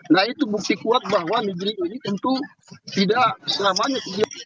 nah itu bukti kuat bahwa negeri ini tentu tidak selamanya